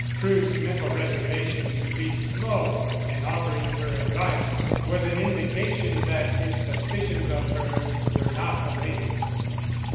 Crewe's mental reservation to be slow in offering her advice was an indication that his suspicions of her were not allayed.